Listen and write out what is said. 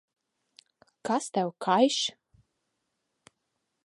Kas tev kaiš?